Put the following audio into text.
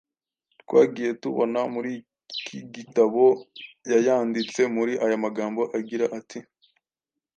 twagiye tubona muri iki gitabo yayanditse muri aya magambo agira ati